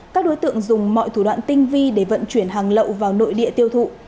các đối tượng dùng mọi thủ đoạn tinh vi để vận chuyển hàng lậu vào nội địa tiêu thụ